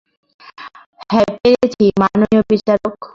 হ্যাঁ পেরেছি, মাননীয় বিচারক।